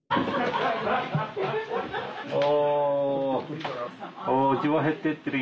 お。